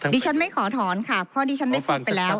ดิฉันไม่ขอถอนค่ะเพราะดิฉันได้ฟังไปแล้ว